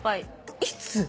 いつ？